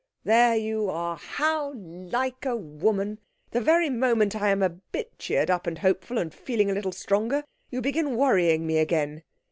'There you are! How like a woman! The very moment I am a bit cheered up and hopeful and feeling a little stronger, you begin worrying me again.'